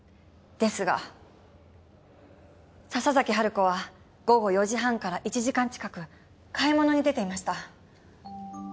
ですが笹崎治子は午後４時半から１時間近く買い物に出ていました。